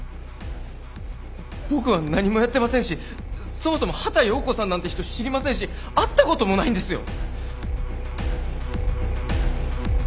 僕は何もやってませんしそもそも畑葉子さんなんて人知りませんし会ったこともないんですよ！？